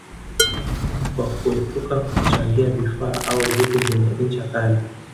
kwa kuepuka kuchangia vifaa au vitu vyenye ncha kali